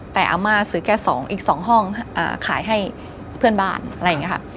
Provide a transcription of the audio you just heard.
แต่อาม่าซื้อแค่๒อีก๒ห้องขายให้เพื่อนบ้านอะไรอย่างนี้ค่ะ